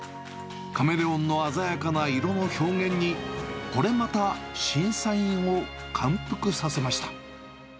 カメレオンの鮮やかな色の表現に、これまた審査員を感服させました。